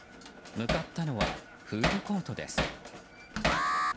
向かったのはフードコートです。